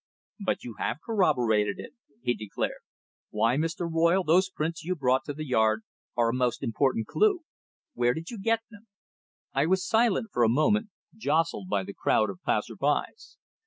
"But you have corroborated it," he declared. "Why, Mr. Royle, those prints you brought to the Yard are a most important clue. Where did you get them?" I was silent for a moment, jostled by the crowd of passers by.